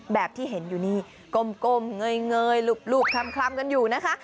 แบบที่เห็นอยู่นี่ก้มเงยลูบคลำกันอยู่นะคะ